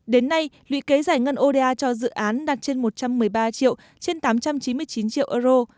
đến nay lũy kế giải ngân oda cho dự án đạt trên một trăm một mươi ba triệu trên tám trăm chín mươi chín triệu euro